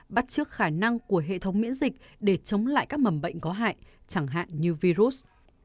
bắt trước khả năng của hệ thống miễn dịch để chống lại các mầm bệnh có hại chẳng hạn như virus